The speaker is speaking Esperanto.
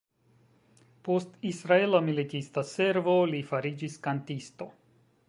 Post Israela militista servo, li fariĝis kantisto.